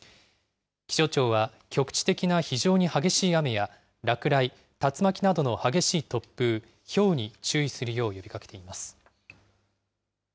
気象庁は局地的な非常に激しい雨や落雷、竜巻などの激しい突風、ひょうに注意するよう呼びかけています。